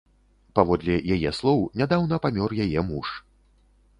Паводле яе слоў, нядаўна памёр яе муж.